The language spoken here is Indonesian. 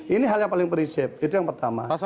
ini hal yang paling prinsip itu yang pertama